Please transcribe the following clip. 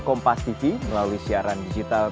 kompas tv melalui siaran digital